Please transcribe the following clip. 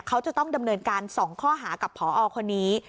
เขาจะต้องดำเนินการ๒ข้อหากับพอคนนี้